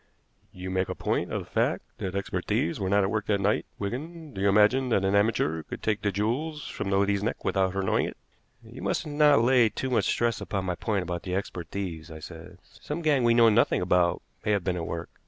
You make a point of the fact that expert thieves were not at work that night, Wigan. Do you imagine that an amateur could take the jewels from the lady's neck without her knowing it?" "You must not lay too much stress upon my point about the expert thieves," I said. "Some gang we know nothing about may have been at work.